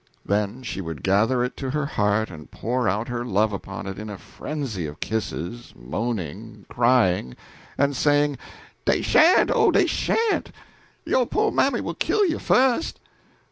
Then she would gather it to her heart and pour out her love upon it in a frenzy of kisses, moaning, crying, and saying, "Dey sha'n't, oh, dey sha'n't! yo' po' mammy will kill you fust!"